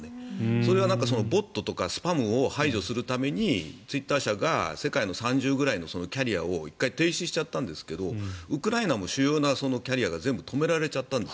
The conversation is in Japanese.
それはボットとかスパムを排除するためにツイッター社が世界の３０ぐらいのキャリアを１回停止しちゃったんですがウクライナの主要なキャリアが全部止められちゃったんです。